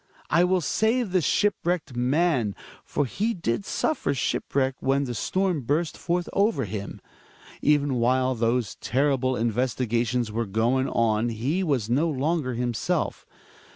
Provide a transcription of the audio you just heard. I will save the shipwrecked man. For he did suffer shipwreck when the storm burst forth over him. Even while those terrible investiga tions were going on he was no longer himself.